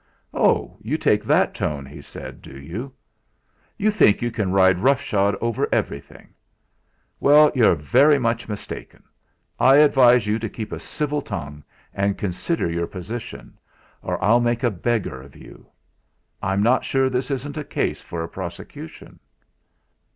"Oh! you take that tone," he said, "do you? You think you can ride roughshod over everything? Well, you're very much mistaken. I advise you to keep a civil tongue and consider your position, or I'll make a beggar of you. I'm not sure this isn't a case for a prosecution!"